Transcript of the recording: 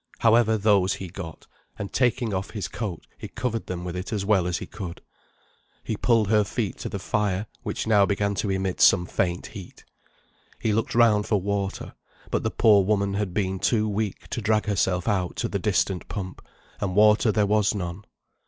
However, those he got; and taking off his coat he covered them with it as well as he could. He pulled her feet to the fire, which now began to emit some faint heat. He looked round for water, but the poor woman had been too weak to drag herself out to the distant pump, and water there was none.